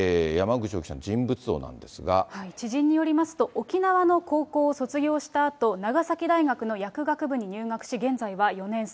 知人によりますと、沖縄の高校を卒業したあと、長崎大学の薬学部に入学し、現在は４年生。